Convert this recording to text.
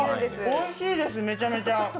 おいしいです、めちゃめちゃ。